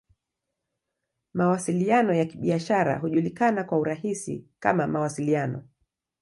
Mawasiliano ya Kibiashara hujulikana kwa urahisi kama "Mawasiliano.